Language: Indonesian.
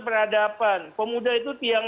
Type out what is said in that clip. peradaban pemuda itu tiang